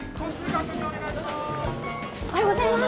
おはようございます。